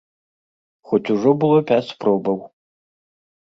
Хоць ужо было пяць спробаў.